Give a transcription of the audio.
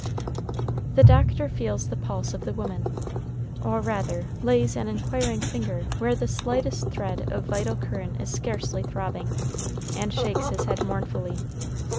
The doctor feels the pulse of the woman, or rather lays an inquiring finger where the slightest thread of vital current is scarcely throbbing, and shakes his head mournfully.